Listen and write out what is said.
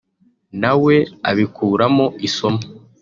na we abikuramo isomo